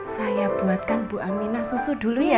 saya buatkan bu aminah susu dulu ya